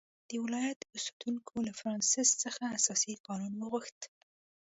د ولایت اوسېدونکو له فرانسیس څخه اساسي قانون وغوښت.